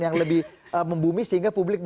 yang lebih membumi sehingga publik